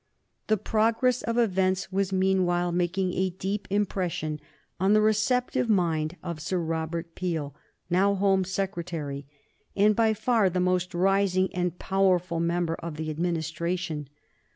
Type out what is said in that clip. The progress of events was, meanwhile, making a deep impression on the receptive mind of Sir Robert Peel, now Home Secretary, and by far the most rising and powerful member of the Administration.